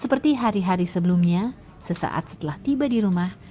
seperti hari hari sebelumnya sesaat setelah tiba di rumah